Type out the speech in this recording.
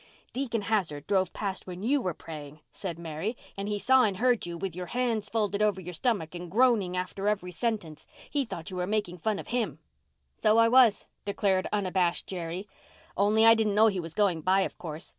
"Deacon Hazard drove past when you were praying," said Mary, "and he saw and heard you, with your hands folded over your stomach, and groaning after every sentence. He thought you were making fun of him." "So I was," declared unabashed Jerry. "Only I didn't know he was going by, of course.